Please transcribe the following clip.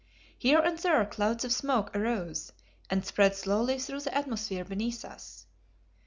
Here and there clouds of smoke arose and spread slowly through the atmosphere beneath us.